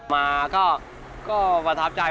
มาก็ประทับใจ